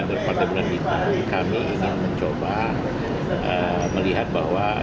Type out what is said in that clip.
dan pada bulan itu kami ingin mencoba melihat bahwa